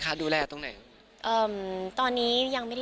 ค่ะ